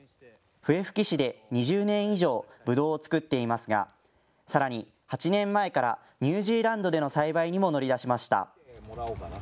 笛吹市で２０年以上、ぶどうを作っていますが、さらに８年前からニュージーランドでの栽培にも乗り出しました。